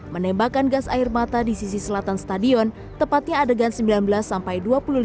menembakkan gas air mata di sisi selatan stadion tepatnya adegan sembilan belas sampai dua puluh lima